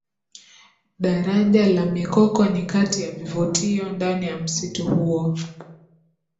Daraja la mikoko ni kati ya vivutio ndani ya msitu huo